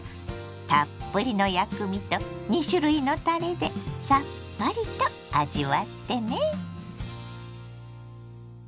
たっぷりの薬味と２種類のたれでさっぱりと味わってね。